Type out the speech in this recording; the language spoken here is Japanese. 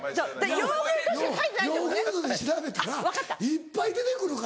ちゃう「ヨーグルト」で調べたらいっぱい出てくるから。